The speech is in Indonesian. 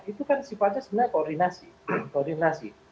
itu kan sifatnya sebenarnya koordinasi koordinasi